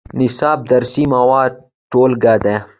نصاب د درسي موادو ټولګه ده